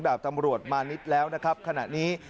ดาบตำรวจมานิดแล้วนะครับขณะนี้